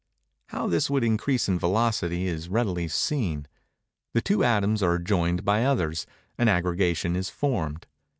How this would increase in velocity, is readily seen. The two atoms are joined by others:—an aggregation is formed.